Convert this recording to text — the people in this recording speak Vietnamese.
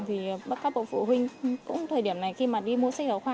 thì các bộ phụ huynh cũng thời điểm này khi mà đi mua sách giáo khoa